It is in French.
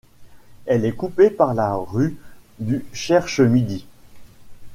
Elle est coupée par la rue du Cherche-Midi.